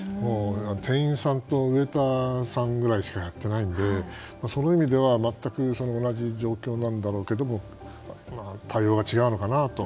店員さんとウェーターさんぐらいしかやっていないんでその意味では全く同じ状況なんだろうけど対応が違うのかなと。